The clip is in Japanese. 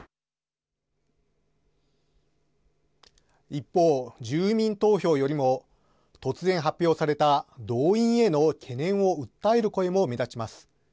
一方、住民投票よりも突然発表された動員への懸念を訴える声も目立ちます。